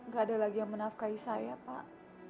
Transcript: gak ada lagi yang menafkai saya pak